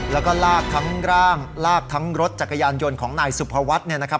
แล้วก็ลากทั้งร่างลากทั้งรถจักรยานยนต์ของนายสุภวัฒน์เนี่ยนะครับ